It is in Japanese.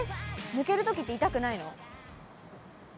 抜けるときって、痛くないの？